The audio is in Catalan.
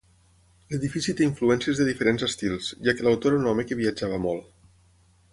L'edifici té influències de diferents estils, ja que l'autor era un home que viatjava molt.